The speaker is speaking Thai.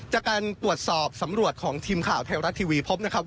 จากการตรวจสอบสำรวจของทีมข่าวไทยรัฐทีวีพบนะครับ